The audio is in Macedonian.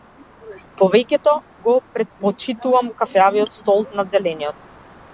Повеќе го претпочитам кафеавиот стол над зелениот.